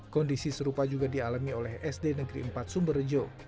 kondisi serupa juga dialami oleh sd negeri empat sumberjo